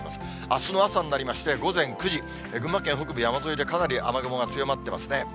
あすの朝になりまして、午前９時、群馬県北部山沿いでかなり雨雲が強まってますね。